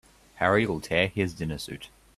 Harry'll tear his dinner suit.